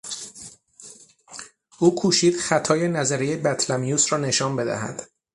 او کوشید خطای نظریهی بطلمیوس را نشان بدهد.